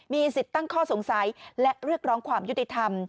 มีสิทธิ์ตั้งข้อสงสัยและเรียกร้องความยุติธรรม